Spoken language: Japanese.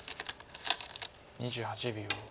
２８秒。